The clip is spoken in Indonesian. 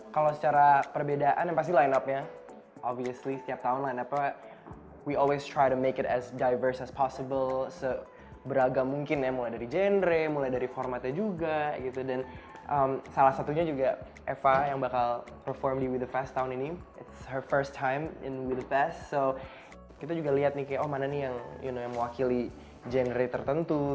bagaimana perbedaan dan perkembangan di we the fest